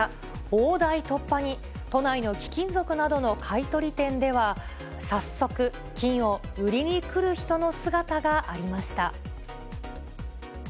大台突破に都内の貴金属などの買い取り店では、早速、金を売りに来る人の姿がありました。